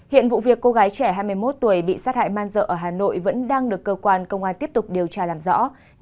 hiện vụ việc cô gái trẻ hai mươi một tuổi bị sát hại man dợ ở hà nội vẫn đang được cơ quan công an tiếp tục điều tra làm rõ